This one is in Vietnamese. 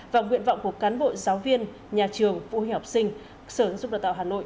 và nguyện vọng của cán bộ giáo viên nhà trường phụ huy học sinh sở ứng dụng đào tạo hà nội